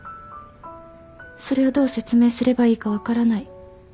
それをどう説明すればいいか分からない。